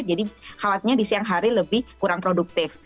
jadi khawatirnya di siang hari lebih kurang produktif